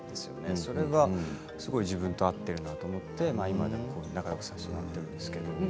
それが自分に合っているなと思って今でも仲よくさせてもらっているんですけど。